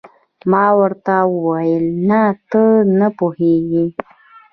ما ورته وویل: نه، ته نه پوهېږې.